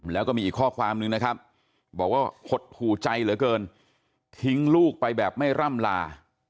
แล้วก็มีอีกข้อความนึงนะครับบอกว่าหดหู่ใจเหลือเกินทิ้งลูกไปแบบไม่ร่ำลา